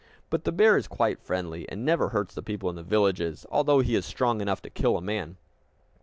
But the bear is quite friendly, and never hurts the people in the villages, although he is strong enough to kill a man.